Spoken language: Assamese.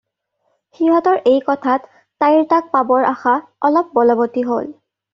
সিহঁতৰ এই কথাত তাইৰ তাক পাবৰ আশা অলপ বলৱতী হ'ল।